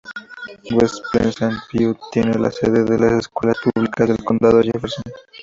West Pleasant View tiene la sede de las Escuelas Públicas del Condado Jefferson.